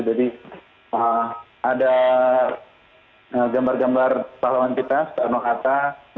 jadi ada gambar gambar pahlawan kita pak arno hatta